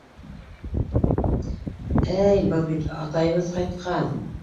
Ә-ә-й, был бит атайыбыҙ ҡайтҡан!